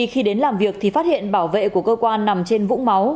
khi đến làm việc thì phát hiện bảo vệ của cơ quan nằm trên vũng máu